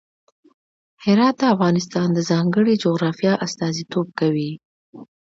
هرات د افغانستان د ځانګړي جغرافیه استازیتوب کوي.